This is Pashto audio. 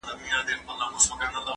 زه کولای سم منډه ووهم!.